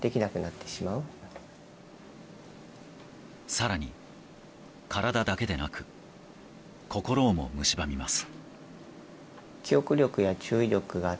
更に体だけでなく心をもむしばみます。